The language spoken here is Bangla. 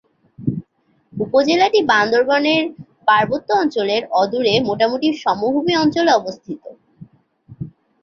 উপজেলাটি বান্দরবানের পার্বত্য অঞ্চলের অদূরে মোটামুটি সমভূমি অঞ্চলে অবস্থিত।